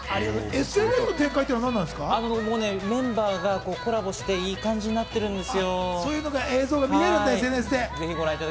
ＳＮＳはメンバーがコラボしていい感じになっているんです。